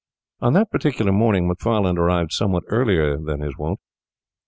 On that particular morning Macfarlane arrived somewhat earlier than his wont.